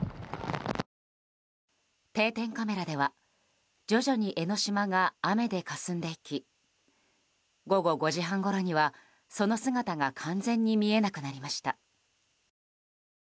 定点カメラでは徐々に江の島が雨でかすんでいき午後５時半ごろには、その姿が完全に見えなくなりました。